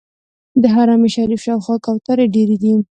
د حرم شریف شاوخوا کوترې ډېرې دي.